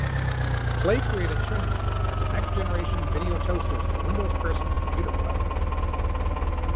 Play created Trinity as the next-generation Video Toaster for the Windows personal computer platform.